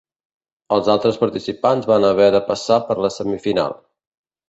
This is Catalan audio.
Els altres participants van haver de passar per la semifinal.